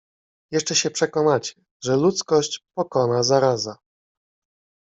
Jeszcze się przekonacie, że ludzkość pokona zaraza.